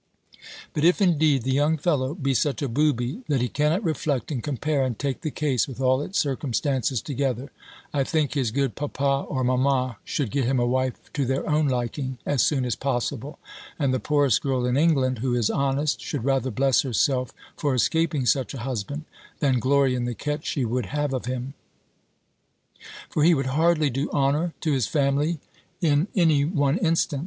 "But if, indeed, the young fellow be such a booby, that he cannot reflect and compare, and take the case with all its circumstances together, I think his good papa or mamma should get him a wife to their own liking, as soon as possible; and the poorest girl in England, who is honest, should rather bless herself for escaping such a husband, than glory in the catch she would have of him. For he would hardly do honour to his family in any one instance."